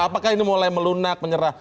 apakah ini mulai melunak menyerah